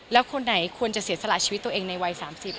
แล้วคนไหนควรจะเสียสละชีวิตตัวเองในวัย๓๐